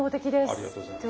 ありがとうございます。